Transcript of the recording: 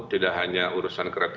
tidak hanya urusan karyawannya